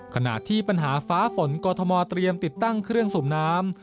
ขณะที่ปัญหาฟ้าฝนกรทมเตรียมติดตั้งเครื่องสูบน้ำ